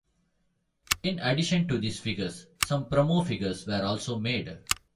In addition to these figures some promo figures were also made.